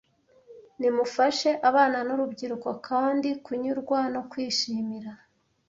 Nimufashe abana n’urubyiruko kandi kunyurwa no kwishimira